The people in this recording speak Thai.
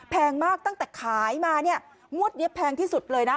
แพงมากตั้งแต่ขายมาเนี่ยงวดนี้แพงที่สุดเลยนะ